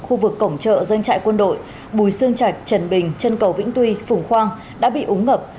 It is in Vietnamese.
khu vực cổng trợ doanh trại quân đội bùi sương trạch trần bình trân cầu vĩnh tuy phùng khoang đã bị ống ngập